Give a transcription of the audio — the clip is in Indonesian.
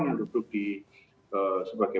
yang duduk di sebagai